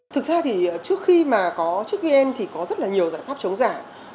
thực ra thì trước khi mà có chức viên thì có rất là nhiều giải pháp chống giả